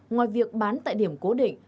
ngoài việc bán tại điểm cố định